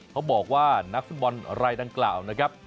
เขาบอกว่านักฟุตบอลรายดังกล่าวนะครับ